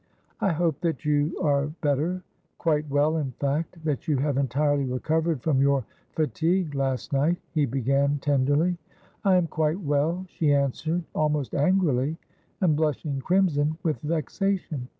' I hope that you are better — quite well, in fact ; that you have entirely recovered from your fatigue last night,' he began tenderly. ' I am quite well,' she answered almost angrily, and blushing crimson with vexation.